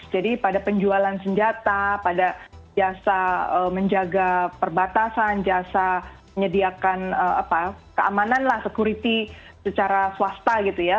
jadi pada penjualan senjata pada jasa menjaga perbatasan jasa menyediakan keamanan lah security secara swasta gitu ya